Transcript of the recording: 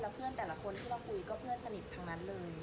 เพื่อนแต่ละคนที่เราคุยก็เพื่อนสนิททั้งนั้นเลย